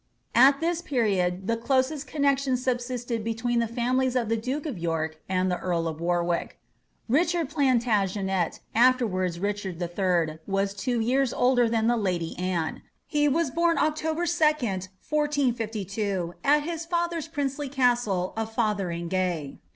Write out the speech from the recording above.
At this period the closest connexion subsisted between the £unilies i)f the duke of York and the earl of Warwick. Richard PlanUigenet afterwards Richard HI., was two years older than the lady Anne ; he was bora October 2d, 1452, at his lather's princely castle of Fotheringay.